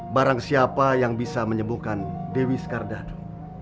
barang siapa yang bisa menyembuhkan dewi skardado